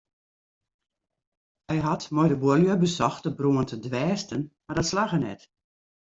Hy hat mei de buorlju besocht de brân te dwêsten mar dat slagge net.